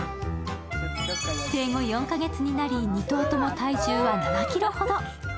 生後４カ月になり２頭とも体重は７ｋｇほど。